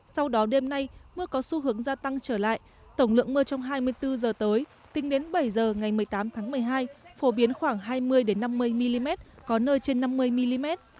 sau đó đêm nay mưa có xu hướng gia tăng trở lại tổng lượng mưa trong hai mươi bốn h tới tính đến bảy h ngày một mươi tám tháng một mươi hai phổ biến khoảng hai mươi năm mươi mm có nơi trên năm mươi mm